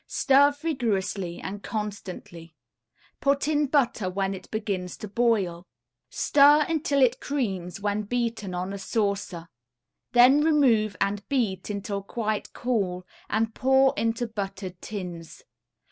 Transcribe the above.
Stir vigorously and constantly. Put in butter when it begins to boil. Stir until it creams when beaten on a saucer. Then remove and beat until quite cool and pour into buttered tins.